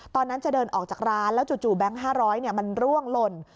ตอนนั้นจะเดินออกจากร้านแล้วจู่แบงค์๕๐๐มันร่วงหล่น